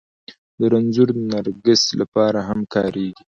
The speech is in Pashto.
د رنځور نرګس لپاره هم کارېږي